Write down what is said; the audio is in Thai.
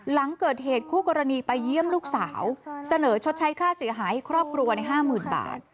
หลังเกิดเหตุคู่กรณีไปเยี่ยมลูกสาวเสนอชดใช้ค่าเสียหายให้ครอบครัวใน๕๐๐๐บาท